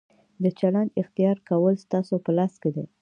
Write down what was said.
د چلند اختیار کول ستاسو په لاس کې دي.